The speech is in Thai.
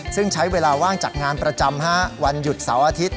ซึ่งใช้เวลาว่างจากงานประจำวันหยุดเสาร์อาทิตย์